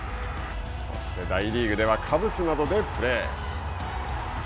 そして大リーグではカブスなどでプレー。